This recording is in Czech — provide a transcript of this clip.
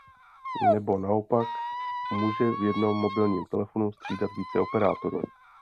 Nebo naopak může v jednom mobilním telefonu střídat více operátorů.